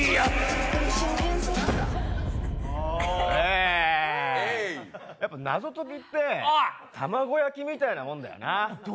いい、いいややっぱ謎解きって卵焼きみたいなもんだよな？